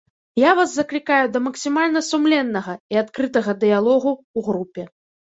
Я вас заклікаю да максімальна сумленнага і адкрытага дыялогу ў групе.